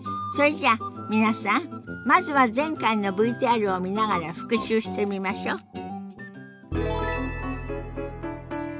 それじゃあ皆さんまずは前回のＶＴＲを見ながら復習してみましょう。